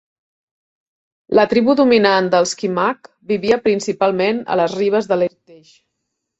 La tribu dominant dels Kimak vivia principalment a les ribes de l'Irtysh.